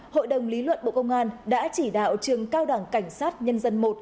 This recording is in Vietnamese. hội đồng lý luận bộ công an đã chỉ đạo trường cao đảng cảnh sát nhân dân một